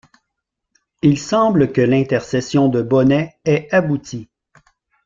Il semble que l'intercession de Bonet ait abouti.